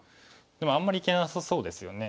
でもあんまりいけなさそうですよね。